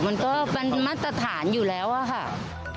มันก็เป็นมาตรฐานอยู่แล้วอะค่ะ